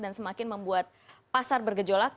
dan semakin membuat pasar bergejolak